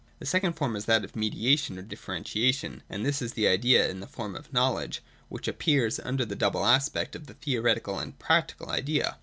The second form is that of mediation or differentiation ; and this is the idea in the form of Knowledge, which appears under the double aspect of the Theoretical and Practical idea.